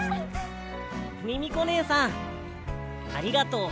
ミミコねえさんありがとう。